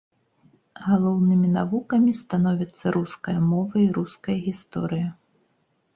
Галоўнымі навукамі становяцца руская мова і руская гісторыя.